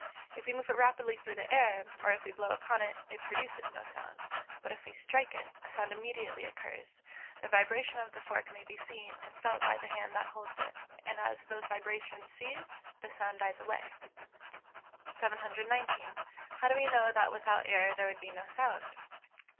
If we move it rapidly through the air, or if we blow upon it, it produces no sound; but if we strike it, a sound immediately occurs; the vibration of the fork may be seen, and felt by the hand that holds it; and as those vibrations cease, the sound dies away. 719. _How do we know that without air there would be no sound?